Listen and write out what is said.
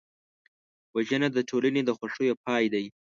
وژنه د ټولنې د خوښیو پای دی